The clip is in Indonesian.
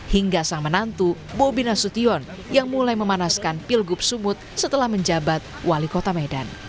hingga sang menantu bobi nasution yang mulai memanaskan pilgub sumut setelah menjabat wali kota medan